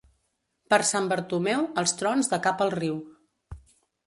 Per Sant Bartomeu, els trons de cap al riu.